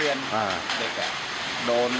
เด็กนาน